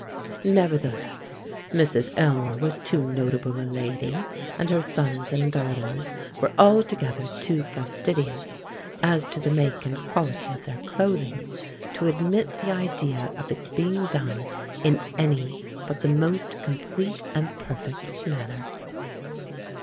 Nevertheless, Mrs. Elmore was too notable a lady, and her sons and daughters were altogether too fastidious as to the make and quality of their clothing, to admit the idea of its being done in any but the most complete and perfect manner.